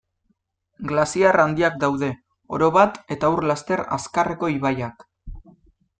Glaziar handiak daude, orobat, eta ur-laster azkarreko ibaiak.